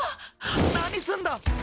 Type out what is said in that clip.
何するんだ！